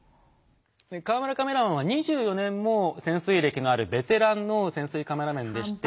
河村カメラマンは２４年も潜水歴のあるベテランの潜水カメラマンでして。